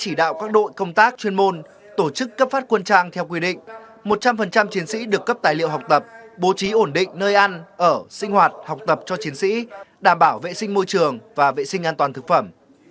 chỉ đạo các đội công tác chuyên môn tổ chức cấp phát quân trang theo quy định một trăm linh chiến sĩ được cấp tài liệu học tập bố trí ổn định nơi ăn ở sinh hoạt học tập cho chiến sĩ đảm bảo vệ sinh môi trường và vệ sinh an toàn thực phẩm